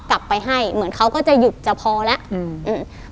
กลับไปให้เหมือนเขาก็จะหยุดจะพอแล้วอืมอืม